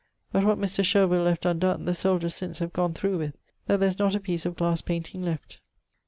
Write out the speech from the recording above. But what Mr. Shervill left undonne, the soldiers since have gonne through with, that there is not a piece of glass painting left.